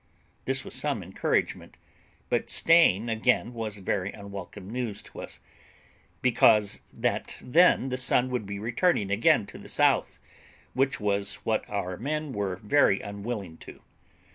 This was some encouragement; but staying again was very unwelcome news to us, because that then the sun would be returning again to the south, which was what our men were very unwilling to.